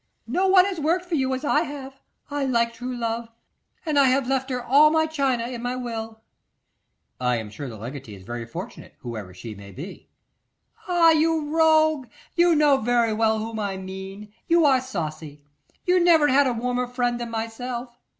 No one has worked for you as I have. I like true love, and I have left her all my china in my will.' 'I am sure the legatee is very fortunate, whoever she may be.' 'Ah, you rogue, you know very well whom I mean. You are saucy; you never had a warmer friend than myself.